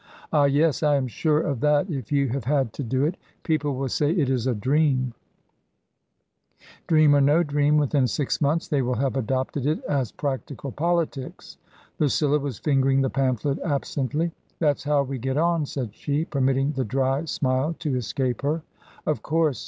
" Ah, yes ! I am sure of that if you have had to do it People will say it is a * dream.' " TRANSITION. 143 ''Dream or no dream, within six months they will have adopted it as practical politics." Lucilla was fingering the pamphlet absently. " That's how we get on !" said she, permitting the dry smile to escape her. " Of course.